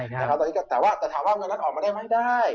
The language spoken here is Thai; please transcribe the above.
แต่ถามว่าเงินนั้นออกมาได้ไม่ได้